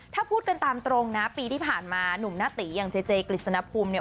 ถ้าพูดกันตามตรงนะปีที่ผ่านมาหนุ่มหน้าตีอย่างเจเจกฤษณภูมิเนี่ย